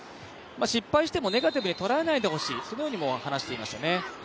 失敗してもネガティブに捉えないでほしいそのようにも話していました。